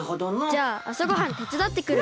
じゃああさごはんてつだってくる。